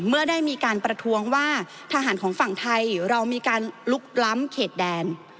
เมื่อได้มีการประท้วงว่าทหารของฝั่งไทยเรามีการลุกล้ำเขตแดน